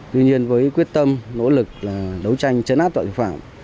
tuy nhiên với quyết tâm nỗ lực đấu tranh chấn áp tội phạm